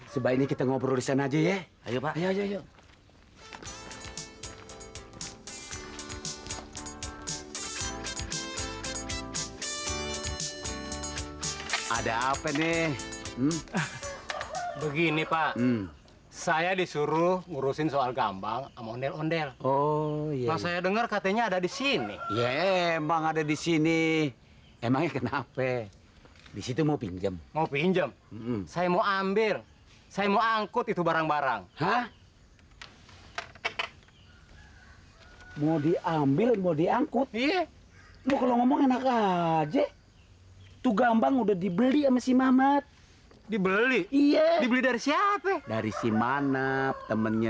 sampai jumpa di video selanjutnya